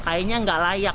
kayaknya nggak layak